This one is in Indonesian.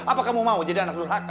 apa kamu mau jadi anak surhaka